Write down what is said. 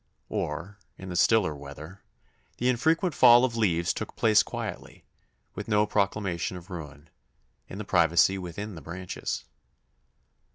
Or, in the stiller weather, the infrequent fall of leaves took place quietly, with no proclamation of ruin, in the privacy within the branches.